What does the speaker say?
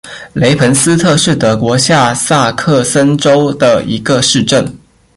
雷彭斯特是德国下萨克森州的一个市镇。